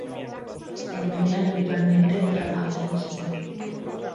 Se emplean habitualmente en trabajos de cocina.